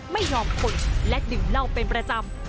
ไม่ยอมคนและดื่มเหล้าเป็นประจำ